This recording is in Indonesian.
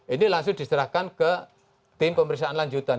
ini langsung diserahkan ke tim pemeriksaan lanjutan